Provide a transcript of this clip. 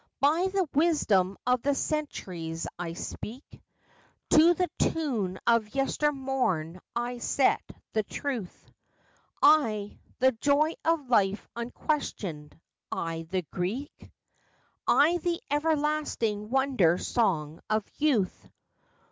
By the wisdom of the centuries I speak To the tune of yestermorn I set the truth I, the joy of life unquestioned I, the Greek I, the everlasting Wonder Song of Youth!